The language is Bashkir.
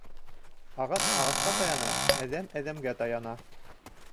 Ағас ағасҡа таяна, әҙәм әҙәмгә таяна.